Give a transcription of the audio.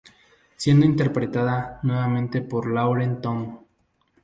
Siendo interpretada nuevamente por Lauren Tom.